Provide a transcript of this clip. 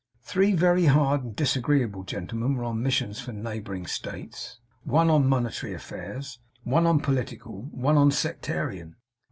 Three very hard and disagreeable gentlemen were on missions from neighbouring States; one on monetary affairs, one on political, one on sectarian.